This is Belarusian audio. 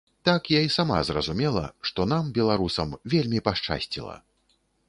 Так я і сама зразумела, што нам, беларусам, вельмі пашчасціла.